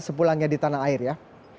sepulangnya di tanah air ya